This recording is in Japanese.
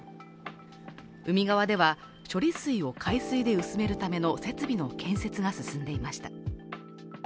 海側では、処理水を海水で薄めるための設備の建設が進んでいました。